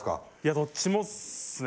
どっちもっすね。